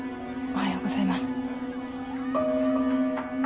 おはようございます。